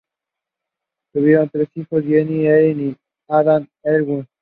Tuvieron tres hijos, Jeffrey, Erin y Adam Ellwood.